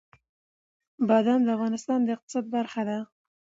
بادام د افغانستان د اقتصاد برخه ده.